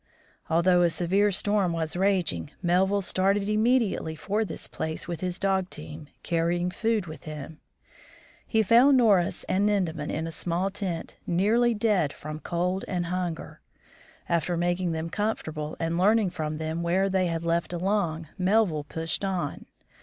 Although a severe storm was raging, Melville started immediately for this place with his dog team, carrying food with him. He found Noros and Nindemann in a small hut, nearly dead from cold and hunger. After making them com fortable, and learning from them where they had left De Long, Melville pushed on.